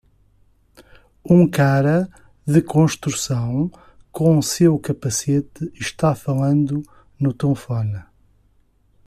Um cara de construção com seu capacete está falando no telefone.